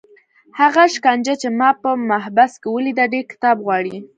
هغه شکنجه چې ما په محبس کې ولیده ډېر کتاب غواړي.